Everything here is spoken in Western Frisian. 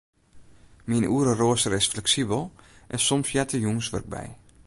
Myn oereroaster is fleksibel en soms heart der jûnswurk by.